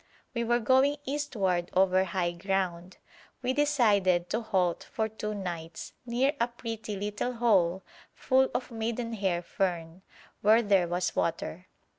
We were going eastward over high ground; we decided to halt for two nights near a pretty little hole full of maidenhair fern, where there was water.